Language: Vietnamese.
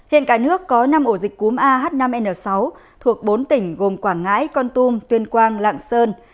hiện cả nước có năm ổ dịch cúm ah năm n sáu thuộc bốn tỉnh gồm quảng ngãi con tum tuyên quang lạng sơn